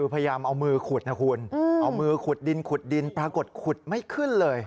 พยายามเอามือขุดนะคุณเอามือขุดดินขุดดินปรากฏขุดไม่ขึ้นเลย